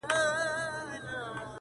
په نورو برخو نظم، شعر او څلوریځو کي یې